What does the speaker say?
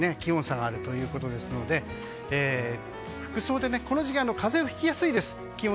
気温差があるということですので服装で、この時期は風邪をひきやすいです。